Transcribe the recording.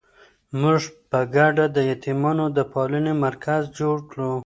موږ به په ګډه د یتیمانو د پالنې مرکز جوړ کړو.